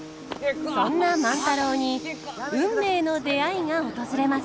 そんな万太郎に運命の出会いが訪れます。